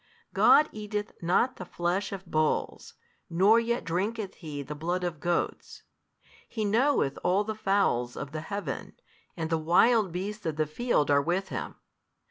God eateth not the flesh of bulls, nor yet drinketh He the blood of goats: He knoweth all the fowls of the Heaven, and the wild beasts of the field are with Him.